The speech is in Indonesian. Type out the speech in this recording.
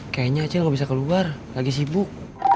kayaknya aceh gak bisa keluar lagi sibuk